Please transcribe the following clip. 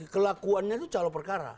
kelakuannya itu calo perkara